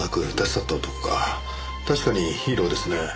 確かにヒーローですね。